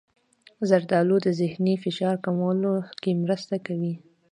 زردالو د ذهني فشار کمولو کې مرسته کوي.